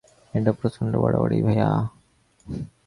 এটা প্রচণ্ড বাড়াবাড়ি, ভায়া।